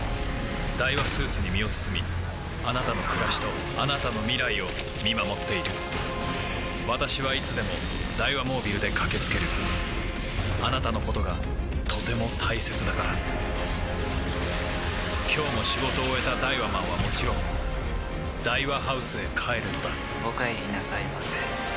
ダイワスーツに身を包みあなたの暮らしとあなたの未来を見守っている私はいつでもダイワモービルで駆け付けるあなたのことがとても大切だから今日も仕事を終えたダイワマンはもちろんダイワハウスへ帰るのだお帰りなさいませ。